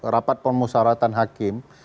rapat pemusawaratan hakim